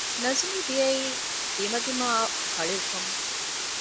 ނަޒުމީ ދިޔައީ ދިމަދިމާއަށް ކަޅިއުކަމުން